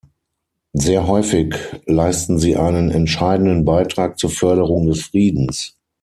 Sehr häufig leisten sie einen entscheidenden Beitrag zur Förderung des Friedens.